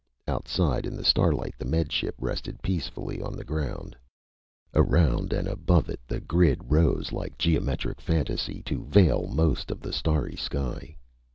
_" Outside in the starlight the Med Ship rested peacefully on the ground. Around and above it the grid rose like geometric fantasy to veil most of the starry sky.